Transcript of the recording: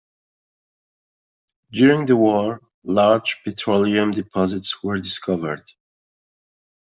During the war large petroleum deposits were discovered.